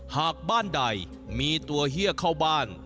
หากบ้านใดมีตัวเฮียเข้าบ้าน